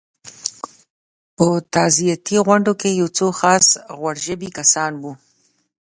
په تعزیتي غونډو کې څو خاص غوړ ژبي کسان وو.